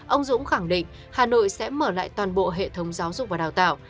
ông dũng khẳng định hà nội sẽ mở lại toàn bộ hệ thống giáo dục và đào tạo